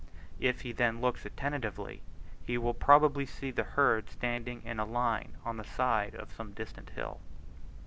If he then looks attentively, he will probably see the herd standing in a line on the side of some distant hill.